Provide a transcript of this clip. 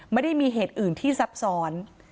ไม่ได้มีเหตุอื่นที่ซับซ้อน